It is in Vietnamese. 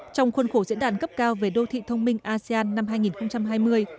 trong khuôn khổ diễn đàn cấp cao về đô thị thông minh asean năm hai nghìn hai mươi